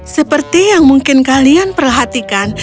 seperti yang mungkin kalian perhatikan